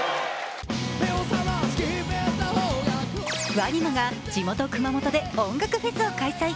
ＷＡＮＩＭＡが地元・熊本で音楽フェスを開催。